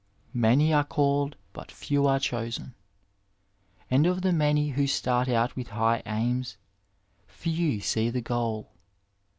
'' Many are called, but few are chosen," and of the many who start out with high aimis, few see the goal.